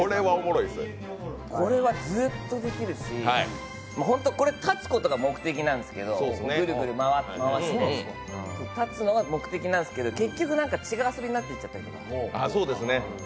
これはずっとできるし、立つことが目的なんですけどぐるぐる回して立つことが目的なんですけど結局、違う遊びになっていっちゃうんですよ。